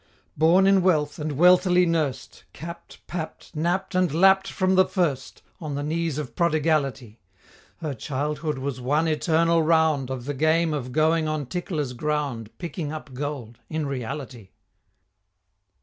Born in wealth, and wealthily nursed, Capp'd, papp'd, napp'd, and lapp'd from the first On the knees of Prodigality, Her childhood was one eternal round Of the game of going on Tickler's ground Picking up gold in reality.